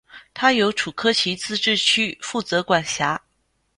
它由楚科奇自治区负责管辖。